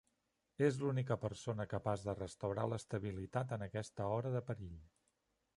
És l'única persona capaç de restaurar l'estabilitat en aquesta hora de perill.